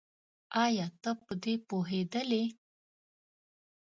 ايا ته په دې پوهېدلې؟